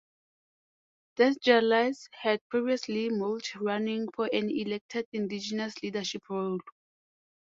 Desjarlais had previously mulled running for an elected Indigenous leadership role.